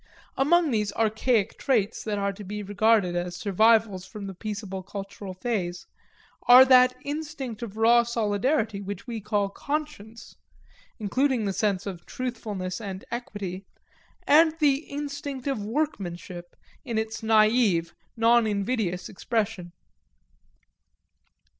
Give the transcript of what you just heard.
Among these archaic traits that are to be regarded as survivals from the peaceable cultural phase, are that instinct of race solidarity which we call conscience, including the sense of truthfulness and equity, and the instinct of workmanship, in its naive, non invidious expression.